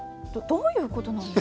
どういうことなんです？